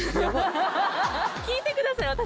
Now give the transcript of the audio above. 聞いてください私。